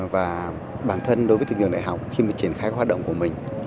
và bản thân đối với trường đại học khi mà triển khai hoạt động của mình